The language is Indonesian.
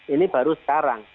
ini baru sekarang